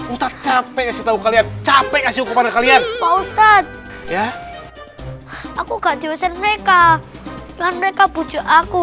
ustadz capek sih tahu kalian capek sih kepada kalian ya aku gak diusir mereka mereka pujuk aku